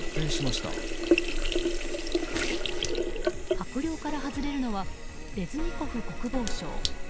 閣僚から外れるのはレズニコフ国防相。